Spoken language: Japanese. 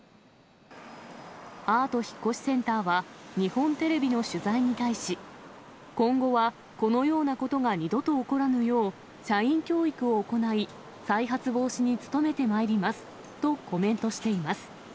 アート引越センターは、日本テレビの取材に対し、今後はこのようなことが二度と起こらぬよう社員教育を行い、再発防止に努めてまいりますとコメントしています。